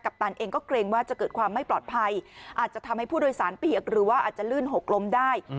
ปตันเองก็เกรงว่าจะเกิดความไม่ปลอดภัยอาจจะทำให้ผู้โดยสารเปียกหรือว่าอาจจะลื่นหกล้มได้